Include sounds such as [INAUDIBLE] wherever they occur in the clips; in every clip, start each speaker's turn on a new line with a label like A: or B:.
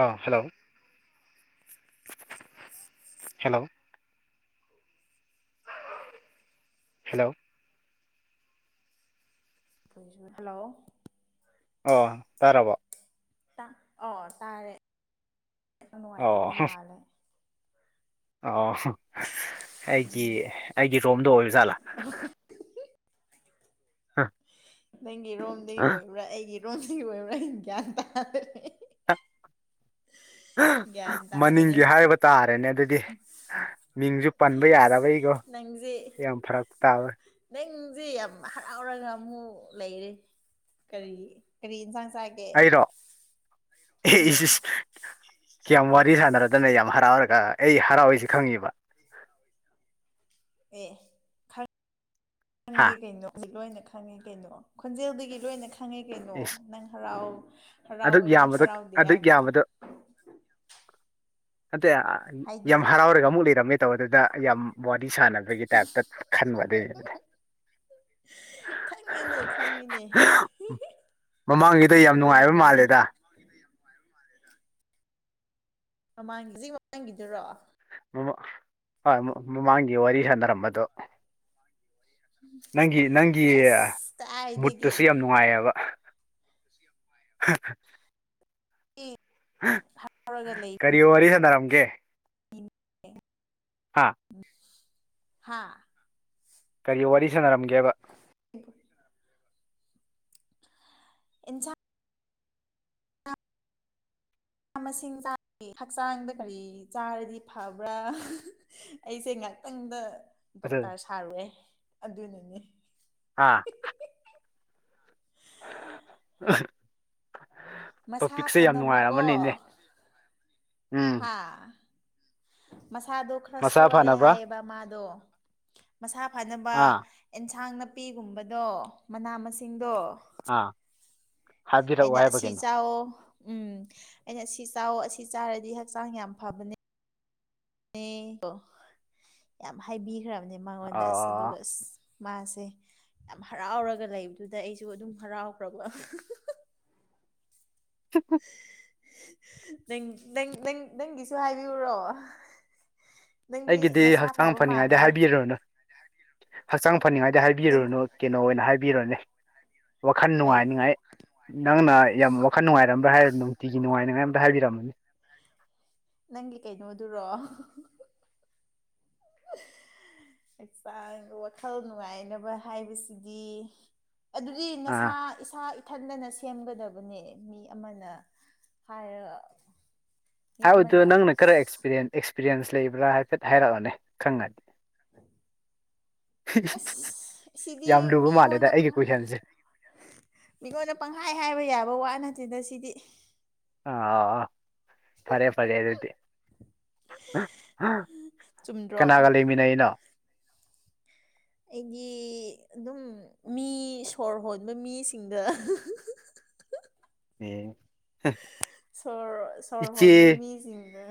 A: ꯑꯥ hello hello hello
B: hello
A: ꯑꯣ ꯇꯥꯔꯕꯣ
B: ꯑ ꯇꯥꯔꯦ ꯌꯥꯝ ꯅꯨꯡꯉꯥꯏꯇꯕ ꯃꯥꯜꯂꯦ
A: ꯑ ꯑꯩꯒꯤ ꯑꯩꯒꯤ ꯔꯣꯝꯗ ꯑꯣꯏꯕ ꯖꯥꯠꯂꯥ [INAUDIBLE]
B: ꯅꯪꯒꯤ ꯔꯣꯝꯗꯒꯤ ꯑꯣꯏꯕ꯭ꯔꯥ ꯑꯩꯒꯤ ꯔꯣꯝꯗꯒꯤ ꯑꯣꯏꯕ꯭ꯔꯥ ꯍꯤꯡ ꯒ꯭ꯌꯥꯟ ꯇꯥꯗ꯭ꯔꯦ ꯒ꯭ꯌꯥꯟ ꯇꯥꯗ꯭ꯔꯦ
A: ꯃꯅꯤꯡꯒꯤ ꯍꯥꯏꯕ ꯇꯥꯔꯦꯅꯦ ꯑꯗꯨ
B: [INAUDIBLE]
A: ꯄꯟꯕ ꯌꯥꯗꯕꯩꯒꯣ
B: ꯅꯪꯁꯦ
A: ꯌꯥꯝ ꯌꯥꯝ ꯐꯔꯛ ꯇꯥꯋꯦ
B: ꯁꯤ ꯌꯥꯝ ꯍꯔꯥꯎꯔꯒ ꯑꯃꯨꯛ ꯂꯩꯔꯦ ꯀꯔꯤ ꯀꯔꯤ ꯌꯦꯟꯁꯥꯡ ꯆꯒꯦ
A: ꯀꯌꯥꯝ ꯋꯥꯔꯤ ꯁꯥꯟꯅꯔꯗꯅ ꯌꯥꯝ ꯍꯔꯥꯎꯔꯒ ꯑꯩ ꯍꯔꯥꯎꯏꯁꯤ ꯈꯪꯉꯤꯕ
B: ꯑꯦ
A: ꯍꯥ
B: ꯈꯪꯉ ꯀꯩꯅꯣ ꯂꯣꯏꯅ ꯈꯪꯉꯤ ꯀꯩꯅꯣ ꯈꯣꯟꯖꯦꯜꯗꯒꯤ ꯂꯣꯏꯅ ꯈꯦ ꯁꯪꯉꯦ ꯀꯩꯅꯣ
A: ꯏꯁ
B: ꯅꯪ ꯍꯔꯥꯎ
A: ꯑꯗꯨꯛ
B: ꯍꯔꯥꯎꯋꯦ
A: ꯌꯥꯝꯕ
B: ꯍꯔꯥꯎꯗꯦ
A: ꯑꯗꯨꯛ
B: ꯍꯥꯏꯕ
A: ꯌꯥꯝꯕꯗ ꯅꯗꯦ
B: ꯍꯥꯏꯗꯤ
A: ꯌꯥꯝ ꯍꯔꯥꯎꯔꯒ ꯑꯃꯨꯛ ꯂꯩꯔꯝꯃꯦ ꯇꯧꯕ ꯑꯗꯨꯗ ꯌꯥꯝ ꯋꯥꯔꯤ ꯁꯥꯟꯅꯕꯒꯤ ꯇꯥꯏꯞꯇ ꯈꯟꯕꯗꯩꯕꯗꯤ
B: ꯈꯪꯉꯤꯅꯦ ꯈꯪꯉꯤꯅꯦ ꯑꯗꯨꯅꯦꯅꯦ
A: ꯃꯥꯂꯦꯗ
B: ꯃꯃꯥꯡꯒꯤꯁꯤ ꯃꯃꯥꯡꯒꯤꯗꯨꯔꯣ
A: ꯃꯃ ꯍꯣꯏ ꯃꯃꯥꯡꯒꯤ ꯋꯥꯔꯤ ꯁꯥꯟꯅꯔꯝꯕꯗꯣ ꯅꯪꯒꯤ ꯅꯪꯒꯤ
B: ꯑꯁ ꯀꯥꯏꯗꯒꯤ
A: ꯃꯨꯠꯇꯨꯁꯨ ꯌꯥꯝ ꯅꯨꯡꯉꯥꯏꯌꯦꯕ ꯍ [UNINTELLIGIBLE] [INAUDIBLE] ꯀꯔꯤ ꯋꯥꯔꯤ ꯁꯥꯟꯅꯔꯝꯒꯦ ꯍꯥ
B: ꯍꯥꯥ [UNINTELLIGIBLE] [INAUDIBLE]
A: ꯀꯔꯤ ꯋꯥꯔꯤ ꯁꯥꯟꯅꯔꯝꯒꯦꯕ
B: ꯏꯟꯁꯥꯡ ꯃ ꯃꯁꯤꯡ ꯍꯛꯆꯥꯡꯗ ꯀꯔꯤ ꯆꯥꯔꯗꯤ ꯐꯕ꯭ꯔꯥ ꯑꯩꯁꯦ ꯉ ꯇꯪꯗ
A: ꯑꯗꯨ
B: ꯗꯣꯛꯇꯔ ꯁꯥꯔꯨꯔꯦ ꯑꯗꯨꯅꯤꯅꯦ
A: ꯑ [UNINTELLIGIBLE] [INAUDIBLE]
B: ꯃꯁꯥ
A: ꯇꯣꯄꯤꯛꯁꯦ ꯌꯥꯝ
B: ꯐꯅꯕꯀꯣ
A: ꯅꯨꯡꯉꯥꯏꯔꯝꯃꯅꯤꯅꯦ ꯎꯝ
B: ꯍꯥ ꯃꯁꯥꯗꯣ ꯈꯔ
A: ꯃꯁꯥ
B: ꯁꯣꯜꯂꯦ
A: ꯐꯅꯕ
B: ꯍꯥꯏꯌꯦꯕ ꯃꯥꯗꯣ ꯃꯁꯥ ꯐꯅꯕ
A: ꯑꯥ
B: ꯑꯦꯟꯁꯥꯡꯅ ꯅꯥꯄꯤꯒꯨꯝꯕꯗꯣ ꯃꯅꯥ ꯃꯁꯤꯡꯗꯣ
A: ꯑꯥ ꯍꯥꯏꯕꯤꯔꯛꯑꯣ
B: ꯑꯩꯅ
A: ꯍꯥꯏꯕ
B: ꯑꯁꯤ
A: ꯀꯩꯅꯣ
B: ꯆꯥꯎꯑꯣ ꯎꯝ ꯑꯩꯅ ꯑꯁꯤ ꯆꯥ ꯑꯁꯤ ꯆꯥꯔꯗꯤ ꯍꯛꯆꯥꯡ ꯌꯥꯝ ꯐꯕꯅꯦ ꯑꯣ ꯌꯥꯝ ꯍꯥꯏꯕꯤꯈ꯭ꯔꯕꯅꯦ
A: ꯑ
B: ꯃꯉꯣꯟꯗ ꯑꯁ ꯑꯗꯨꯒ ꯑꯁ ꯃꯥꯁꯦ ꯌꯥꯝ ꯍꯔꯥꯎꯔꯒ ꯂꯩꯕꯗꯨꯗ ꯑꯩꯁꯨ ꯑꯗꯨꯝ ꯍꯔꯥꯎꯈ꯭ꯔꯕ
A: ꯆ [UNINTELLIGIBLE] [INAUDIBLE]
B: ꯅꯪ ꯅꯪ ꯅꯪ ꯅꯪꯒꯤꯁꯨ ꯍꯥꯏꯕꯤꯌꯨꯔꯣ ꯅꯪꯗꯤ
A: ꯑꯩꯒꯤꯗꯤ
B: ꯅꯁꯥ
A: ꯍꯛꯆꯥꯡ
B: ꯐꯕ
A: ꯐꯅꯤꯡꯉꯥꯏꯗ
B: ꯃꯥꯜꯂꯦꯗ
A: ꯍꯥꯏꯕꯤꯔꯨꯔꯅꯨ ꯍꯛꯆꯥꯡ ꯐꯅꯤꯉꯥꯏꯗꯤ
B: ꯅꯪ
A: ꯍꯥꯏꯕꯤꯔꯨꯔꯨꯅꯨ ꯀꯩꯅꯣ ꯑꯣꯏꯅ ꯍꯥꯏꯕꯤꯔꯨꯅꯦ ꯋꯥꯈꯜ
B: ꯀꯩ
A: ꯅꯨꯡꯉꯥꯏꯅꯤꯉꯥꯏ ꯅꯪꯅ ꯌꯥꯝ ꯋꯥꯈꯜ ꯅꯨꯡꯉꯥꯏꯔꯝꯕ꯭ꯔꯥ ꯍꯥꯏꯔ ꯅꯨꯡꯇꯤꯒꯤ ꯅꯨꯡꯉꯥꯏꯅꯤꯉꯥꯏ ꯑ ꯍꯥꯢ ꯕꯤꯔꯝꯃꯨ
B: ꯅꯪꯒꯤ ꯀꯩꯩꯅꯣ ꯑꯗꯨꯔꯣ
A: [UNINTELLIGIBLE] [INAUDIBLE]
B: ꯍꯛꯆꯥꯡ ꯋꯥꯈꯜ ꯅꯨꯡꯉꯥꯏꯅꯕ ꯍꯥꯏꯕꯁꯤꯗꯤ ꯑꯗꯨꯗꯤ
A: ꯑꯥ
B: ꯅꯁꯥ ꯏꯁꯥ ꯏꯊꯟꯗꯅ ꯁꯦꯝꯒꯗꯕꯅꯦ ꯃꯤ ꯑꯃꯅ ꯍꯥꯏꯔꯒ ꯃꯤ
A: ꯍꯥꯏꯕꯗꯨꯣ
B: ꯑꯃꯅ
A: ꯅꯪꯅ ꯈꯔ ꯑꯦ ꯑꯦꯛꯁꯄꯤꯔꯤꯌꯦꯦꯟꯁ ꯂꯩꯕ꯭ꯔꯥ ꯍꯥꯏꯐꯦꯠ ꯍꯥꯏꯔꯛꯑꯣꯅꯦ ꯈꯪꯉꯗꯤ [UNINTELLIGIBLE]
B: ꯑꯁ
A: [INAUDIBLE] ꯌꯥꯝ
B: ꯁꯤꯗꯤ
A: ꯂꯨꯕ ꯃꯥꯜꯂꯦꯗ
B: ꯃꯤꯉꯣꯟꯗ
A: ꯑꯩꯒꯤ ꯀꯣꯏꯁꯟꯁꯦ
B: ꯃꯤꯉꯣꯟꯗ ꯄꯪꯈꯥꯏ ꯍꯥꯏꯕ ꯌꯥꯕ ꯋꯥ ꯅꯠꯇꯦꯗ ꯁꯤꯗꯤ
A: ꯑ ꯑ ꯐꯔꯦ ꯐꯔꯦ ꯍꯥꯏ ꯑꯗꯨꯗꯤ
B: ꯆꯨꯝꯗ꯭ꯔꯣ
A: ꯀꯅꯥꯒ ꯂꯩꯃꯤꯟꯅꯅꯣ
B: ꯑꯩꯒꯤ ꯑꯗꯨꯝ ꯃꯤ ꯁꯣꯔ ꯍꯣꯟꯕ ꯃꯤꯁꯤꯡꯗ
A: ꯎꯝ
B: ꯁꯣꯔ ꯁꯣꯔ
A: ꯏꯆꯦ
B: ꯍꯣꯟꯕ ꯃꯤꯁꯤꯡꯅ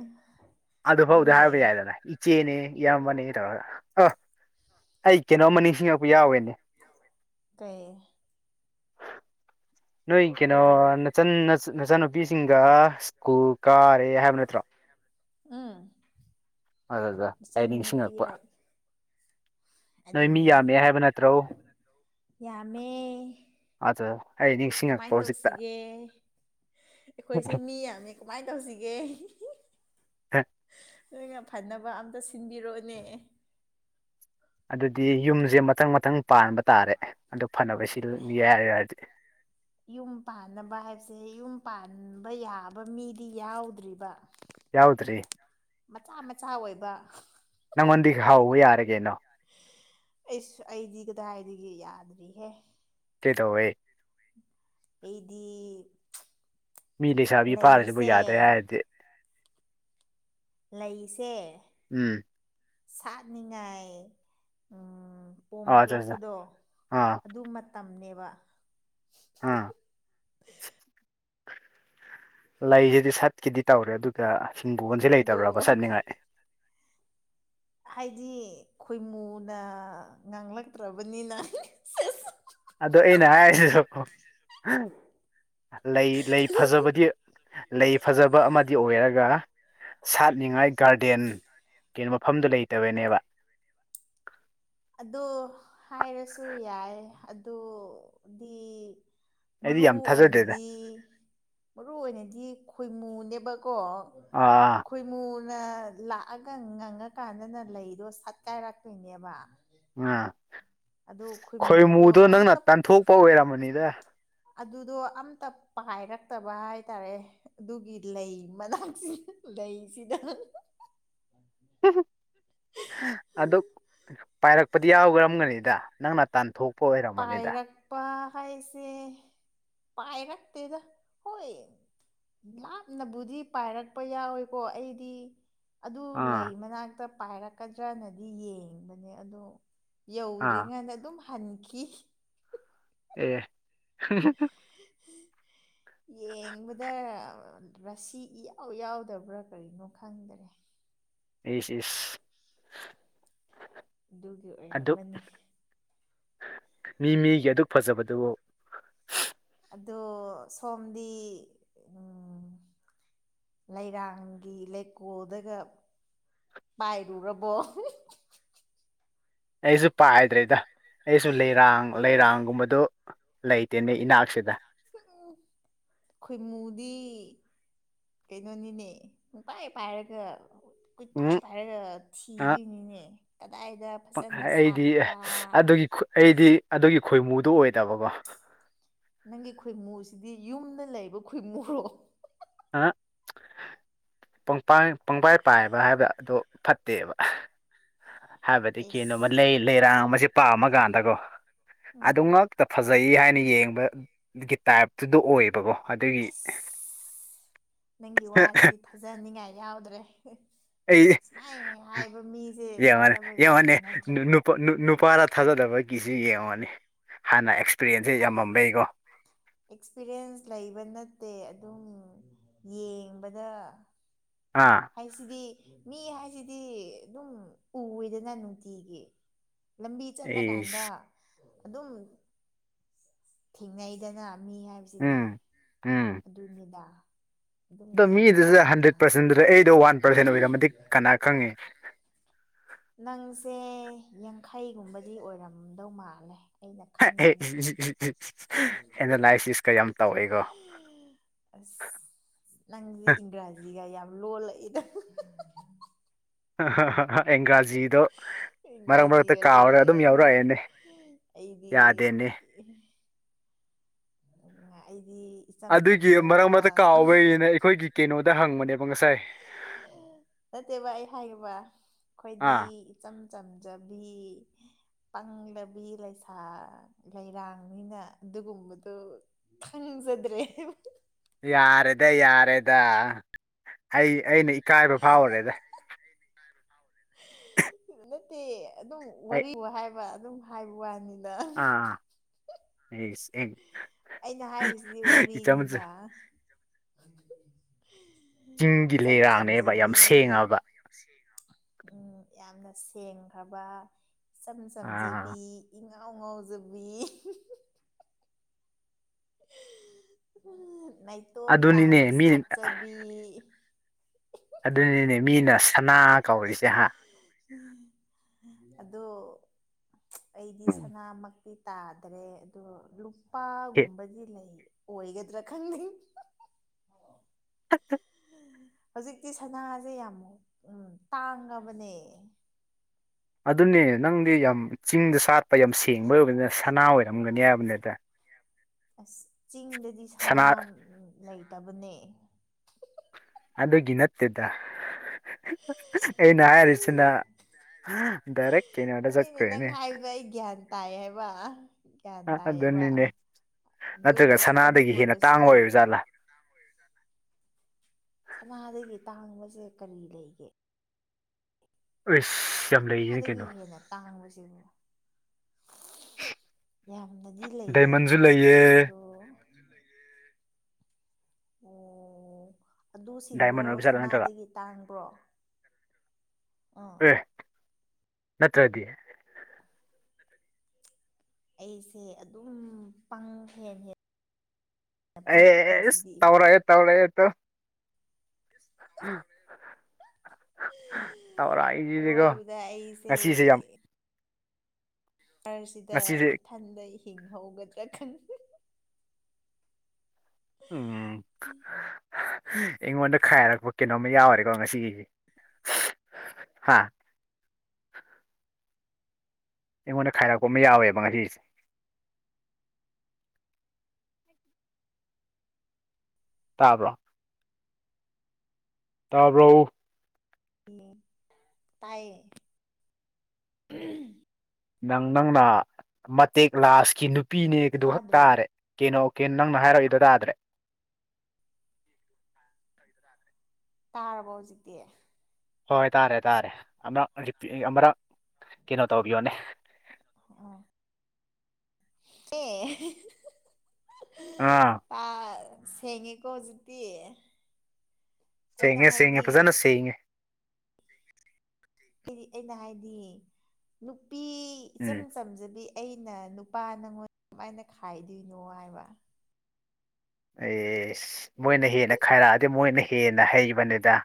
A: ꯑꯗꯨꯐꯥꯎꯗ ꯍꯥꯏꯕ ꯌꯥꯏꯗꯅ ꯏꯆꯦꯅꯤ ꯏꯌꯥꯝꯕꯅꯤ ꯇꯧꯔꯒ ꯑ ꯑꯩ ꯀꯩꯅꯣꯝꯃ ꯅꯤꯡꯁꯤꯡꯉꯛꯄ ꯌꯥꯎꯋꯦꯅꯦ
B: ꯇ [UNINTELLIGIBLE] [INAUDIBLE]
A: ꯅꯣꯏ ꯀꯩꯅꯣ
B: ꯀꯩꯗꯧꯔꯦ
A: ꯅꯆ ꯅꯆ ꯅꯨꯄꯤꯁꯤꯡꯒ ꯁ꯭ꯀꯨ ꯀꯥꯔꯦ ꯍꯥꯏꯕ ꯅꯠꯇ꯭ꯔꯣ
B: ꯑꯝ
A: ꯑꯗꯨꯗ ꯑꯩ ꯅꯤꯡꯁꯤꯡꯉꯛꯄ ꯅꯣꯏ ꯃꯤ
B: ꯑꯗꯨꯅꯤꯅꯦ
A: ꯌꯥꯝꯃꯦ ꯍꯥꯏꯕ ꯅꯠꯇ꯭ꯔꯣ
B: ꯌꯥꯝꯃꯦ
A: ꯑꯆꯥꯆꯥ
B: ꯀꯃꯥꯏꯅ ꯇꯧꯁꯤꯒꯦ ꯑꯩꯈꯣꯏꯁꯦ ꯃꯤ ꯌꯥꯝꯃꯤ ꯀꯃꯥꯏꯅ ꯇꯧꯁꯤꯒꯦ ꯍꯥꯏꯅꯕ ꯑꯝꯇ ꯁꯤꯟꯕꯤꯔꯛꯑꯣꯅꯦ
A: ꯑꯗꯨꯗꯤ ꯌꯨꯝꯁꯦ ꯃꯊꯪ ꯃꯊꯪ ꯄꯥꯟꯕ ꯇꯥꯔꯦ ꯑꯗꯨ ꯐꯅꯕ ꯁꯤꯜꯒꯦ ꯍꯥꯏꯔꯛꯗꯤ
B: ꯌꯨꯝ ꯄꯥꯟꯅꯕ ꯍꯥꯏꯕꯁꯦ ꯌꯨꯝ ꯄꯥꯟꯕ ꯌꯥꯕ ꯃꯤꯗꯤ ꯌꯥꯎꯗ꯭ꯔꯤꯕ
A: ꯌꯥꯎꯗ꯭ꯔꯤ
B: ꯃꯆꯥ ꯃꯆꯥ ꯑꯣꯏꯕ
A: ꯅꯪꯉꯣꯟꯗꯤ ꯍꯥꯎꯕ ꯌꯥꯔꯒꯦꯅꯣ
B: ꯑꯩꯁ ꯑꯩꯗꯤ ꯀꯗꯥꯏꯗꯒꯤ ꯌꯥꯗ꯭ꯔꯤꯍꯦ
A: ꯀꯩꯗꯧꯋꯦ
B: ꯑꯩꯗꯤ
A: ꯃꯤ ꯂꯩꯁꯥꯕꯤ ꯐꯥꯔꯁꯤꯕꯨ
B: ꯂꯩꯁꯦ
A: ꯌꯥꯗꯔ꯭ꯦ ꯍꯥꯏꯔꯗꯤ
B: ꯂꯩꯁꯦ
A: ꯎꯝ
B: ꯁꯥꯠꯅꯤꯡꯉꯥꯏ ꯎꯝ
A: ꯑ ꯑꯠꯆꯥ ꯑꯠꯆꯥ
B: ꯄꯣꯝꯈꯠꯂꯛꯄꯗꯣ
A: ꯑꯥ
B: ꯑꯗꯨ ꯃꯇꯝꯅꯦꯕ
A: ꯍꯥꯥ ꯂꯩꯁꯤꯗꯤ ꯁꯠꯈꯤꯗꯤ ꯇꯧꯔꯦ ꯑꯗꯨꯒ ꯁꯤꯡꯕꯣꯟꯁꯤ
B: ꯑꯗꯣ
A: ꯂꯩꯇꯕ꯭ꯔꯕ ꯁꯠꯅꯤꯡꯉꯥꯏ
B: ꯍꯥꯏꯗꯤ ꯈꯣꯏꯃꯨꯅ ꯉꯥꯡꯂꯛꯇ꯭ꯔꯕꯅꯤꯅ
A: ꯑꯗ ꯑꯩꯅ ꯍꯥꯏꯁꯦ ꯁꯣꯄꯣ ꯍꯥꯝ ꯂꯩ ꯂꯩ ꯐꯖꯕꯗꯤ ꯂꯩ ꯐꯖꯕ ꯑꯃꯗꯤ ꯑꯣꯏꯔꯒ ꯁꯥꯠꯅꯤꯡꯉꯥꯏ ꯒꯥꯔꯗꯦꯟ ꯀꯩꯅꯣ ꯃꯐꯝꯗꯨꯣ ꯂꯩꯇꯕꯅꯦꯕ [INAUDIBLE] [UNINTELLIGIBLE]
B: ꯑꯗꯣ ꯍꯥꯏꯔꯁꯨ ꯌꯥꯏ ꯑꯗꯨꯗꯤ
A: ꯑꯩꯗꯤ
B: ꯃꯔꯨ
A: ꯌꯥꯝ ꯊꯥꯖꯗꯦꯗ
B: ꯑꯣꯏꯅꯗꯤ ꯃꯔꯨ ꯑꯣꯏꯅꯗꯤ ꯈꯣꯏꯃꯨꯅꯦꯕ ꯀꯣ
A: ꯑꯥ ꯑꯥ
B: ꯈꯣꯏꯃꯨ ꯅ ꯂꯥꯛꯑꯒ ꯉꯪꯉꯀꯥꯟꯗꯅ ꯂꯩꯗꯣ ꯁꯠꯀꯥꯏꯔꯛꯇꯣꯏꯅꯦꯕ
A: ꯎꯥ
B: ꯑꯗꯨ
A: ꯈꯣꯏꯃꯨꯗꯣ ꯅꯪꯅ
B: ꯑꯝꯇ
A: ꯇꯥꯟꯊꯣꯛꯄ ꯑꯣꯏꯔꯝꯃꯅꯤꯗ
B: ꯑꯗꯨꯗꯣ ꯑꯝꯇ ꯄꯥꯏꯔꯛꯇꯕ ꯍꯥꯏꯇꯥꯔꯦ ꯑꯗꯨꯒꯤ ꯂꯩ ꯃꯅꯥꯛ ꯂꯩꯁꯤꯗ
A: ꯍ ꯍꯣ [UNINTELLIGIBLE] ꯑꯗꯨ ꯄꯥꯏꯔꯛꯄꯗꯤ ꯌꯥꯎꯒꯔꯝꯒꯅꯤꯗ ꯅꯪꯅ ꯇꯥꯟꯊꯣꯛ
B: ꯄꯥꯏꯔꯛꯥꯛꯄ ꯈꯥꯏꯁꯦ ꯄꯥꯏꯔꯛꯇꯦꯗꯥ ꯍꯣꯏ ꯌꯥꯝꯅꯕꯨꯗꯤ ꯄꯥꯏꯔꯛꯄ ꯌꯥꯎꯋꯦꯀꯣ ꯑꯩꯗꯤ ꯑꯗꯨ ꯂꯩ
A: ꯑꯥ
B: ꯃꯅꯥꯛꯇ ꯄꯥꯏꯔꯛꯀꯗ꯭ꯔꯅꯗꯤ ꯌꯦꯡꯕꯅꯦ ꯑꯗꯣ
A: ꯑꯥ
B: ꯌꯧꯗ꯭ꯔꯤꯉꯩꯗ ꯑꯗꯨꯝ ꯍꯟꯈꯤ
A: ꯑꯦ
B: ꯌꯦꯡꯕꯗ ꯔꯁꯤ ꯏꯌꯥꯎ ꯌꯥꯎꯗꯕ꯭ꯔꯥ ꯀꯔꯤꯅꯣ ꯈꯪꯗꯔꯦ
A: ꯏꯁ ꯏꯁ
B: ꯑꯗꯨꯒꯤ
A: ꯑꯗꯨꯛ
B: ꯑꯣꯏꯔꯝꯃꯅꯤ
A: ꯃꯤ ꯃꯤꯒꯤ ꯑꯗꯨꯛ ꯐꯖꯕꯗꯨꯕꯨ
B: ꯑꯗꯣ ꯁꯣꯝꯗꯤ ꯂꯩꯔꯥꯡꯒꯤ ꯂꯩꯀꯣꯜꯗꯒ ꯥꯄꯥꯏꯔꯨꯔꯕꯔꯕꯣ
A: ꯑꯩꯁꯨ ꯄꯥꯏꯗ꯭ꯔꯦꯗ ꯑꯩꯁꯨ ꯂꯩꯔꯥꯡ ꯂꯩꯔꯥꯡꯒꯨꯝꯕꯗꯨ ꯂ ꯂꯩꯥꯏꯇꯦꯅꯦ ꯏꯅ ꯍꯥꯛꯁꯗ
B: ꯑꯩꯈꯣꯏ ꯃꯣꯗꯤ ꯀꯩꯅꯣꯅꯤꯅꯦ ꯄꯥꯏ ꯄꯥꯏꯔꯒ ꯀꯈꯣꯏ ꯄꯥꯏ
A: ꯎꯝ
B: ꯄꯥꯏꯔꯒ
A: ꯑ
B: ꯊꯤꯗꯣꯏꯅꯤꯅꯦ ꯀꯗꯥꯏꯗ ꯐꯖꯅ
A: ꯑꯩꯗꯤ ꯑꯦ
B: ꯁꯥꯠꯄ꯭ꯔꯥ
A: ꯑꯗꯨꯒꯤ ꯑꯩꯗꯤ ꯑꯗꯨꯒꯤ ꯈꯣꯏꯃꯨꯗꯨ ꯑꯣꯏꯗꯕꯀꯣ
B: ꯅꯪꯒꯤ ꯈꯣꯏꯃꯨꯁꯤꯗꯤ ꯌꯨꯝꯗ ꯂꯩꯕ ꯈꯣꯏꯃꯨꯔꯣ
A: ꯑ [UNINTELLIGIBLE] ꯄꯪꯕꯥꯏ ꯄꯥꯏꯕ ꯍꯥꯏꯕꯗ ꯑꯗꯨ ꯐꯠꯇꯦꯕ ꯍꯥꯏꯕꯗꯤ ꯀꯩꯅꯣꯕ
B: ꯑꯦꯁ
A: ꯂꯩ ꯂꯩꯔꯥꯡ ꯄꯥꯝꯃꯀꯥꯟꯗꯀꯣ
B: ꯎꯝ
A: ꯑꯗꯨ ꯉꯛꯇ ꯐꯖ ꯐꯖꯩ ꯍꯥꯏꯅ ꯌꯦꯡꯕꯒꯤ ꯇꯥꯏꯞꯇꯨꯗ ꯑꯣꯏꯌꯦꯕꯀꯣ ꯑꯗꯨꯒꯤ
B: ꯑꯁ ꯅꯪꯒꯤ ꯋꯥꯁꯤꯗꯤ ꯊꯥꯖꯍꯅꯤꯡꯉꯥꯏ ꯌꯥꯎꯗ꯭ꯔꯦ
A: ꯑꯩ
B: ꯁꯨꯃꯥꯏꯅ ꯍꯥꯏꯕ ꯃꯤꯁꯦ ꯊꯥꯖꯕ ꯌꯥꯕ ꯅꯠꯇ꯭ꯔꯦ
A: ꯋꯥꯔ ꯊꯥꯖꯗꯕ ꯀꯤꯁꯨ ꯌꯦꯡꯂꯡꯉꯅꯤ ꯍꯥꯟꯅ ꯑꯦꯛ
B: ꯊꯖꯩ ꯑꯦꯛꯁꯄꯤꯔꯤꯌꯦꯟꯁ ꯂꯩꯕꯅ ꯅꯠꯇꯦ ꯑꯗꯨꯝ ꯌꯦꯡꯕꯗ
A: ꯑꯥ
B: ꯍꯥꯏꯁꯤꯗꯤ ꯃꯤ ꯍꯥꯏꯁꯤꯗꯤ ꯑꯗꯨꯝ ꯎꯏꯗꯅ ꯅꯨꯡꯇꯤꯒꯤ ꯂꯝꯕꯤ ꯆꯠꯂꯀꯥꯟꯗ
A: ꯑꯩꯁ
B: ꯑꯗꯨꯝ ꯊꯦꯡꯅꯩꯗꯅ ꯃꯤ ꯍꯥꯏꯕꯁꯤꯗꯤ
A: ꯎꯝ ꯎꯝ
B: ꯑꯗꯨꯅꯤꯗ ꯑꯗꯨꯝ
A: ꯑꯗꯣ ꯃꯤꯗꯨꯁꯨ
B: ꯌꯦꯡꯉꯀꯥꯟꯗ
A: ꯍꯟꯗ꯭ꯔꯦꯠ ꯄꯥꯔꯁꯦꯟꯗꯨꯗ ꯑꯩꯗꯣ ꯋꯥꯟ ꯄꯥꯔꯁꯦꯟ ꯑꯣꯏꯔꯝꯃꯛ ꯀꯅꯥ ꯈꯪꯉꯦ
B: ꯅꯪꯁꯦ ꯌꯥꯡꯈꯩꯒꯨꯝꯕꯗꯤ ꯑꯣꯏꯔꯝꯗꯧ ꯃꯥꯜꯂꯦ ꯑꯩꯅ ꯈꯟꯕꯗ
A: ꯑꯦꯅꯥꯂꯥꯏꯁꯤꯁꯀ ꯌꯥꯝ ꯇꯧꯋꯦꯀꯣ
B: ꯑꯁ ꯅꯪꯗꯤ ꯏꯪꯔꯥꯖꯤꯒ ꯌꯥꯝ ꯂꯣ ꯂꯩ ꯏꯗ
A: ꯑꯦꯪꯒꯥ꯭ꯔꯥꯖꯤꯗꯣ ꯃꯔꯛ ꯃꯔꯛꯇ
B: ꯏꯪꯒ꯭ꯔꯥꯖꯤꯒ
A: ꯀꯥꯎꯔꯒ ꯑꯗꯨꯝ
B: ꯂꯣꯜꯂꯛꯑꯦ
A: ꯌꯥꯎꯔꯛꯑꯦꯅꯦ
B: ꯑꯩꯗꯤ
A: ꯌꯥꯗꯦꯅꯦ
B: ꯑꯩꯗꯤ ꯏꯆꯝ
A: ꯑꯗꯨꯒꯤ ꯃꯔꯛ
B: ꯆꯝꯖꯕ
A: ꯃꯔ ꯀꯥꯎꯕꯅ ꯑꯩꯈꯣꯏꯒꯤ ꯀꯩꯅꯣꯗ ꯍꯪꯕꯅꯦꯕ ꯉꯁꯥꯏ
B: ꯅꯠꯇꯦꯕ ꯑꯩ ꯍꯥꯏꯦꯕ ꯑꯩꯈꯣꯏꯗꯤ
A: ꯑꯥ
B: ꯏꯆꯝ ꯆꯝꯖꯕꯤ ꯄꯪꯂꯕꯤ ꯂꯩꯁꯥ ꯂꯩꯔꯥꯡꯅꯤꯅ ꯑꯗꯨꯒꯨꯝꯕꯗꯨꯣ ꯈꯪꯖꯗ꯭ꯔꯦ
A: ꯌꯥꯔꯦꯗ ꯌꯥꯔꯦꯗ ꯑꯩ ꯑꯩꯅ ꯏꯀꯥꯏꯕ ꯐꯥꯎꯔꯦꯗ
B: ꯅꯠꯇꯦ ꯑꯗꯨꯝ
A: ꯑꯩ
B: ꯋꯥꯔꯤ ꯋꯥ ꯍꯥꯏꯕ ꯑꯗꯨꯝ ꯍꯥꯏꯕ ꯋꯥꯅꯤ
A: ꯑꯥ ꯑꯥ
B: ꯑꯩꯅ ꯍꯥꯏꯔꯤꯁꯤꯗꯤ
A: ꯏ ꯆꯃꯁ
B: ꯋꯥꯔꯤꯅꯤꯗ ꯏ
A: ꯆꯤꯡꯒꯤ
B: ꯏꯆꯝ
A: ꯂꯩꯔꯥꯡꯅꯦꯕ ꯌꯥꯝ
B: ꯆꯝꯖꯕꯤ
A: ꯁꯦꯡꯉꯕ
B: ꯎꯝ ꯌꯥꯝꯅ ꯁꯦꯡꯈ꯭ꯔꯕ ꯏꯆꯝ
A: ꯑꯥ
B: ꯆꯝꯖꯕꯤꯪ ꯉꯥꯎ ꯉꯖꯕꯤ ꯎ ꯅꯥꯇꯣꯝ
A: ꯑꯗꯨꯅꯤꯅꯦ
B: ꯇꯥꯅ
A: ꯃꯤ
B: ꯁꯥꯠꯆꯕꯤ
A: ꯑꯗꯨꯅꯤꯅꯦ ꯃꯤꯅ ꯁꯅꯥ ꯀꯧꯔꯤꯁꯦ ꯍꯥ
B: ꯑꯗꯣ ꯑꯩꯗꯤ ꯁꯅꯥꯃ ꯤ ꯇꯥꯗ꯭ꯔꯦ ꯑꯗꯣ
A: ꯑꯦ
B: ꯂꯨꯄꯥꯒꯨꯝꯕꯗꯤ ꯂꯩ ꯑꯣꯏ ꯏꯒꯗꯤ ꯔꯈꯟꯒꯤ ꯍꯧꯖꯤꯛꯇꯤ ꯁꯅꯥꯁꯦ ꯌꯥꯝ ꯎ ꯇꯥꯡꯉꯕꯅꯦ
A: ꯑꯗꯨꯅꯦ ꯅꯪꯗꯤ ꯌꯥꯝ ꯆꯤꯡꯗ ꯆꯥꯠꯄ ꯌꯥꯝ ꯁꯦꯡꯕ ꯑꯣꯏꯕꯅꯤꯅ ꯁꯅꯥ ꯑꯣꯏꯔꯝꯒꯅꯤ ꯍꯥꯏꯕꯅꯦꯗ
B: ꯑꯁ ꯆꯤꯡꯗꯗꯤ ꯁꯅꯥ ꯂꯩꯇꯕꯅꯦ
A: ꯑꯗꯨꯒꯤ ꯅꯠꯇꯦꯗ ꯑꯩꯅ ꯍꯥꯏꯔꯤꯁꯤꯅ ꯗꯏꯔꯦꯛ ꯀꯅꯦ ꯋꯥ
B: ꯍꯣꯏꯅꯦ ꯅꯪ
A: ꯆꯀ꯭ꯔꯅꯦ
B: ꯍꯥꯏꯕꯗꯣ ꯑꯩ ꯇꯥꯏꯌꯦꯕ ꯒ꯭ꯌꯥꯟ
A: ꯑꯗꯨꯅꯤꯅꯦ
B: ꯑꯗꯨ
A: ꯅꯠꯇ꯭ꯔꯒ
B: ꯑꯗꯨ
A: ꯁꯅꯥꯗꯒꯤ ꯍꯦꯟꯅ
B: ꯑꯣꯏꯔꯁꯨ
A: ꯇꯥꯡꯉ ꯑꯣꯏꯕ ꯖꯥꯠꯂꯥ
B: ꯁꯅꯥꯗꯒꯤ ꯇꯥꯡꯕꯁꯦ ꯀꯔꯤ ꯂꯩꯒꯦ
A: ꯑꯩꯁ ꯌꯥꯝ ꯂꯩꯌꯦ
B: ꯁꯅꯥꯗꯒꯤ
A: ꯀꯩꯅꯣ
B: ꯍꯦꯟꯅ ꯇꯥꯡꯕꯁꯤꯅꯦ ꯌꯥꯝꯅꯗꯤ ꯂꯩꯌꯦ
A: ꯗꯥꯏꯃꯟꯁꯨ ꯂꯩꯌꯦ
B: ꯑꯗꯣ ꯎꯝ ꯑꯗꯨꯁꯤꯡꯗꯣ
A: ꯗꯥꯏꯃꯟ ꯑꯣꯏꯕ ꯖꯥꯠꯂꯥ ꯅꯠꯇ꯭ꯔꯒ
B: ꯁꯅꯥꯗꯒꯤ ꯇꯥꯡꯕ꯭ꯔꯣ ꯑꯥ
A: ꯑꯦ ꯅꯠꯇ꯭ꯔꯗꯤ
B: ꯑꯩꯁꯦ ꯑꯗꯨꯝ ꯄꯪ ꯍꯦꯟ ꯍꯦ
A: ꯑꯦ ꯇꯧꯔꯦ ꯇꯧꯔꯑ ꯇ ꯑ ꯇꯧꯔ ꯑꯩꯁꯤꯗꯤꯀꯣ
B: ꯑꯔꯣꯏꯕꯗ ꯑꯩꯁꯦ
A: ꯉꯁꯤꯁꯦ ꯌꯥꯝ
B: ꯁꯔꯁꯤꯗ
A: ꯉꯁꯤꯁꯦ
B: ꯏꯊꯟꯗ ꯏ ꯍꯤꯡꯍꯒꯗ꯭ꯔꯥ ꯈꯟ
A: ꯎꯝ ꯑꯩꯉꯣꯟꯗ ꯈꯥꯏꯔꯛꯄ ꯀꯩꯅꯣꯝꯃ ꯌꯥꯎꯔꯦꯀꯣ ꯉꯁꯤꯒꯤꯁꯤ ꯍꯥꯥ ꯑꯩꯉꯣꯟꯗ ꯈꯥꯏꯔꯛꯄ ꯑꯃ ꯌꯥꯎꯋꯦꯕ ꯉꯁꯤꯁꯦ ꯇꯥꯕ꯭ꯔꯣ ꯇꯥꯕ꯭ꯔꯛꯎ
B: ꯇꯥꯏꯌꯦ
A: ꯅꯪ ꯅꯪꯅ ꯃꯇꯦꯛ ꯂꯥꯁꯀꯤ ꯅꯨꯄꯤꯅꯦꯗꯨ ꯍꯛ
B: ꯇꯥꯗ꯭ꯔꯣ
A: ꯇꯥꯔꯦ ꯀꯩꯅꯣ ꯀꯦꯟ ꯅꯪꯅ ꯍꯥꯏꯔꯛꯏꯗ ꯇꯥꯗ꯭ꯔꯦ
B: ꯇꯥꯔꯕꯣ ꯍꯧꯖꯤꯛꯇꯤ
A: ꯍꯣꯏ ꯇꯥꯔꯦ ꯇꯥꯔꯦ ꯑꯃꯛ ꯑꯃꯔꯛ ꯀꯩꯅꯣ ꯇꯧꯕꯤꯌꯣꯅꯦ
B: ꯑ ꯑꯦ
A: ꯑꯥ
B: ꯄ ꯁꯦꯡꯉꯦꯀꯣ ꯍꯧꯖꯤꯛꯇꯤ ꯑꯩꯅ
A: ꯁꯤꯉ ꯁꯤꯉ
B: ꯍꯥꯏꯗꯤ
A: ꯐꯖꯅ ꯁꯤꯉ
B: ꯍꯥꯏꯗꯤ ꯑꯩꯅ ꯍꯥꯏꯗꯤ ꯅꯨꯄꯤ
A: ꯎꯝ
B: ꯏꯆꯝ ꯆꯝꯖꯕꯤ ꯑꯩꯅ ꯅꯨꯄꯥ ꯅꯪꯉꯣꯟꯗ ꯀꯃꯥꯏꯅ ꯈꯥꯏꯗꯣꯏꯅꯣ ꯍꯥꯏꯕ
A: ꯑꯦ ꯃꯣꯏꯅ ꯍꯦꯟꯅ ꯈꯥꯏꯔꯛꯑꯗꯤ ꯃꯣꯏꯅ ꯍꯦꯟꯅ ꯍꯩꯕꯅꯤꯗ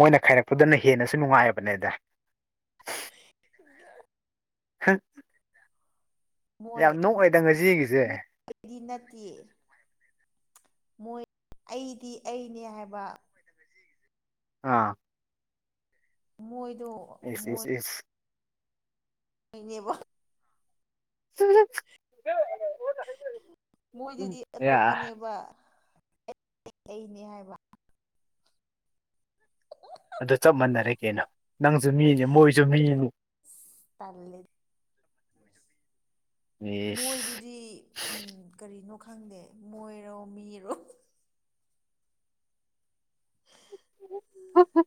A: ꯃꯣꯏꯅ ꯈꯥꯏꯔꯛꯄꯗꯨꯅ ꯍꯦꯟꯅꯁꯨ ꯅꯨꯡꯉꯥꯏꯑꯕꯅꯦꯗ
B: ꯎ
A: ꯍꯥ
B: ꯃꯣꯏ
A: ꯌꯥꯝ ꯅꯣꯛꯑꯦꯗ ꯉꯁꯤꯒꯤꯁꯦ
B: ꯃꯣꯏꯗꯤ ꯅꯠꯇꯦ ꯃꯣꯏ ꯑꯩꯗꯤ ꯑꯩꯅꯦ ꯍꯥꯏꯕ
A: ꯑꯥ
B: ꯗꯣ
A: ꯏꯁ
B: ꯃꯣꯏ
A: ꯏꯁ ꯏꯁ
B: ꯑꯅꯦꯕ
A: ꯎꯝ
B: ꯃꯣꯏꯗꯨꯗꯤ ꯑꯇꯣꯞꯄꯅꯦꯕ ꯑꯩꯅꯦ ꯍꯥꯏꯕ
A: ꯑꯗꯨ ꯆꯞ ꯃꯥꯟꯅꯔꯒꯦꯅ ꯅꯪꯁꯨ ꯃꯤꯅꯦ ꯃꯣꯏꯁꯨ ꯃꯤꯅꯤ
B: ꯇꯥꯂꯦ
A: ꯏꯁ
B: ꯃꯣꯏꯗꯨꯗꯤ ꯎꯝ ꯀꯔꯤꯅꯣ ꯈꯪꯗꯦ ꯃꯣꯏꯔꯣ ꯃꯤꯔꯣ
A: ꯍ ꯍꯣ